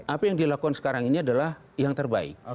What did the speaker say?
apa yang dilakukan sekarang ini adalah yang terbaik